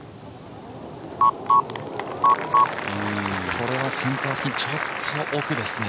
これはセンター付近、ちょっと奥ですね。